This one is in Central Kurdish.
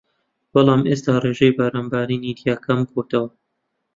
بەڵام ئێستا ڕێژەی باران بارینی تیا کەم بۆتەوە